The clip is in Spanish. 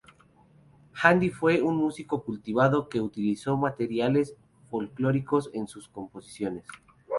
Handy fue un músico cultivado que utilizó materiales folclóricos en sus composiciones.